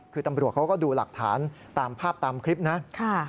คือตำรวจเขาก็ดูหลักฐานตามภาพตามคลิปนะ